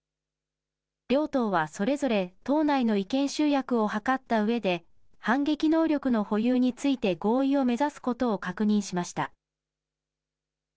両党はそれぞれ党内の意見集約を図ったうえで、反撃能力の保有について合意を目指すことを確認しました。